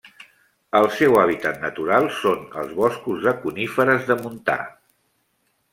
El seu hàbitat natural són els boscos de coníferes de montà.